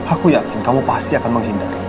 aku yakin kamu pasti akan menghindar